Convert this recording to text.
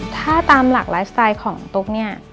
ถ้าตามหลักไลฟ์สไตล์ของตุ๊กเนี่ย